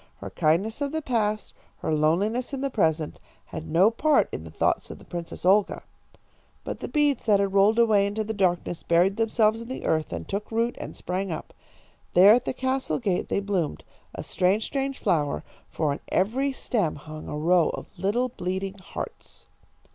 Her kindness of the past, her loneliness in the present, had no part in the thoughts of the Princess Olga. "But the beads that had rolled away into the darkness buried themselves in the earth, and took root and sprang up. There at the castle gate they bloomed, a strange, strange flower, for on every stem hung a row of little bleeding hearts.